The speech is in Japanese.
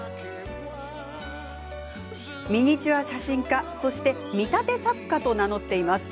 ミニチュア写真家、そして見立て作家と名乗っています。